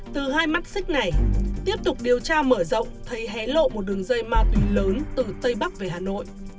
từ hai mắt xích này tiếp tục điều tra mở rộng thấy hé lộ một đường dây ma túy lớn từ tây bắc về hà nội